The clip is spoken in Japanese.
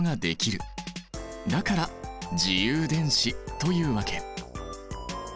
だから「自由電子」というわけ！